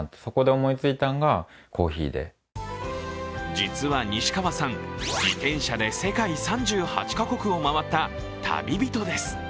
実は西川さん、自転車で世界３８か国を回った旅人です。